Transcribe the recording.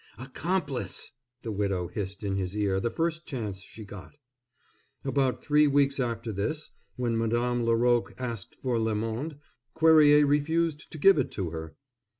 "Accomplice!" the widow hissed in his ear the first chance she got. About three weeks after this, when Madame Laroque asked for Le Monde, Cuerrier refused to give it to her.